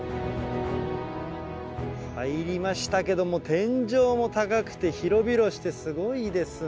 入りましたけども天井も高くて広々してすごいですね。